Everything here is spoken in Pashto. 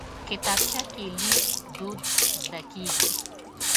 کتابچه کې لیک دود زده کېږي